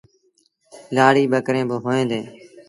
لآڙيٚ ٻڪريݩ با هوئين ديٚݩ ۔